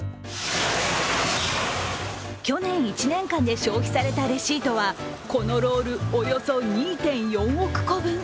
去年１年間で消費されたレシートはこのロールおよそ２．４億個分。